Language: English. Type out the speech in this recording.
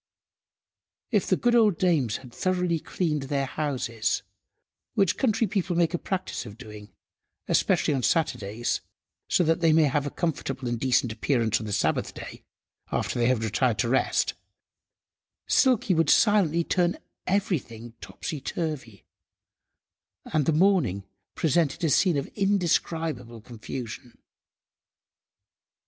If the good old dames had thoroughly cleaned their houses, which country people make a practice of doing, especially on Saturdays, so that they may have a comfortable and decent appearance on the Sabbath–day, after they had retired to rest, Silky would silently turn everything topsy–turvy, and the morning presented a scene of indescribable confusion.